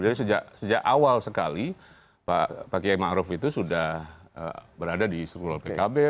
jadi sejak awal sekali pak kiai ma'ruf itu sudah berada di suro pkb